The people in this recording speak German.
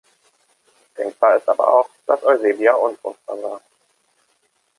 Denkbar ist aber auch, dass Eusebia unfruchtbar war.